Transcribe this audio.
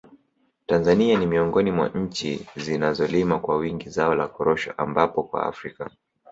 Tanzania ni miongoni mwa nchi zinazolima kwa wingi zao la korosho ambapo kwa Afrika